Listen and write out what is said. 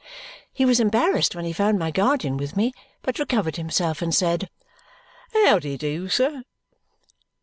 He was embarrassed when he found my guardian with me, but recovered himself and said, "How de do, sir?"